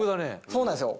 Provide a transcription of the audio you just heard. そうなんですよ